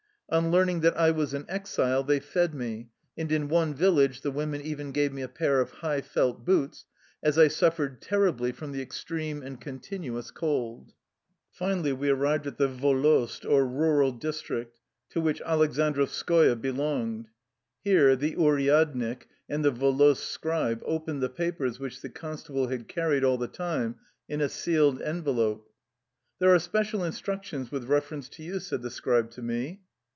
On learning that I was an exile they fed me, and in one village the women even gave me a pair of high felt boots, as I suffered terribly from the extreme and con tinuous cold. Finally we arrived at the volost, or rural dis trict, to which Aleksandrovskoye belonged. Here the uryadnik and the volost scribe opened the papers which the constable had carried all the time in a sealed envelope. a There are special instructions with reference to you," said the scribe to me.